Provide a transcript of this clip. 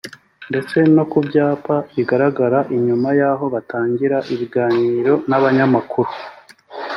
ndetse no ku byapa bigaragara inyuma y’aho batangira ibiganiro n’abanyamakuru